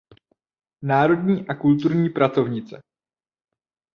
Národní a kulturní pracovnice.